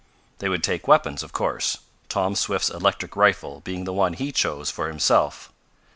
They would take weapons, of course, Tom Swift's electric rifle being the one he choose for himself.